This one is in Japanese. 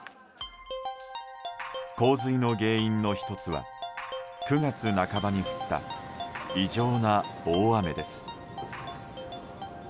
洪水の原因の１つは９月半ばに降った異常な大雨です。